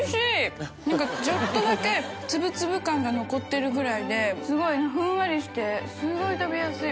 燭ちょっとだけつぶつぶ感が残ってるぐらいで垢瓦ふんわりしてすごい食べやすい。